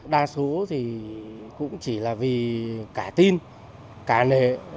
đa số cũng chỉ vì cả tin cả nề